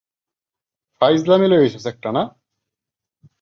পরিচালক অঞ্জন চৌধুরী পরিচালিত চলচ্চিত্র এটি।